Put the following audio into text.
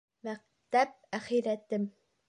Мәктәп әхирәтем